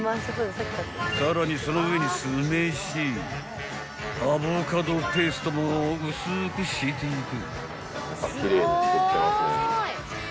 さらにその上に酢飯アボカドペーストも薄く敷いていく］